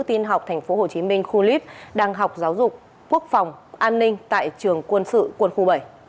tin học tp hcm khu lead đang học giáo dục quốc phòng an ninh tại trường quân sự quân khu bảy